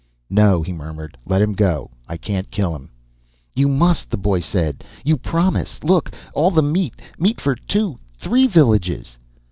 "No," he murmured. "Let him go. I can't kill him." "You must," the boy said. "You promise. Look all the meat. Meat for two, three villages."